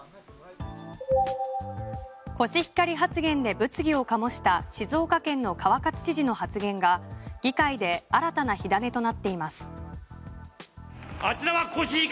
コシヒカリ発言で物議を醸した静岡県の川勝知事の発言が議会で新たな火種となっています。